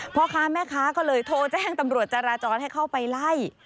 พ่อค้าแม่ค้าก็เลยโทรแจ้งตำรวจจราจรให้เข้าไปไล่